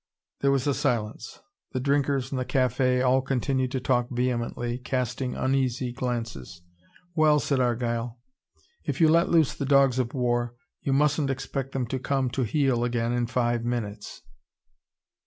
There was a silence. The drinkers in the cafe all continued to talk vehemently, casting uneasy glances. "Well," said Argyle, "if you let loose the dogs of war, you mustn't expect them to come to heel again in five minutes."